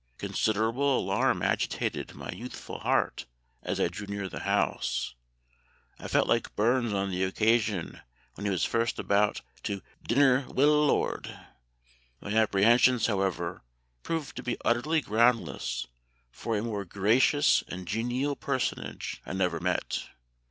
Considerable alarm agitated my youthful heart as I drew near the house: I felt like Burns on the occasion when he was first about 'to dinner wi' a Lord.'... My apprehensions, however, proved to be utterly groundless, for a more gracious and genial personage I never met.